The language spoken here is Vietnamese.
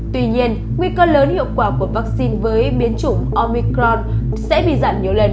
tuy nhiên nguy cơ lớn hiệu quả của vaccine với biến chủng omicron sẽ bị giảm nhiều lần